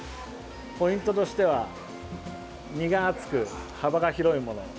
ポイントとしては身が厚く、幅が広いもの。